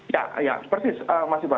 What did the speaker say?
ya ya persis mas iqbal